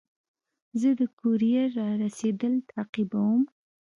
زه د کوریر رارسېدل تعقیبوم.